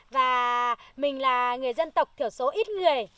và mình là người dân tộc thiểu số ít người